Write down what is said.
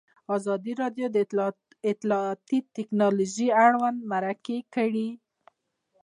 ازادي راډیو د اطلاعاتی تکنالوژي اړوند مرکې کړي.